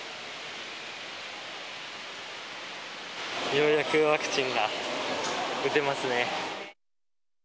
ようやくワクチンが打てますね。